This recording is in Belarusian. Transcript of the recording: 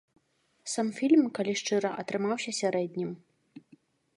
Сам фільм, калі шчыра, атрымаўся сярэднім.